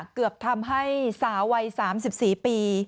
เกือบทำให้สาววัย๓๔ปี